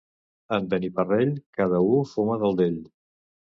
En Beniparrell, cada u fuma del d'ell.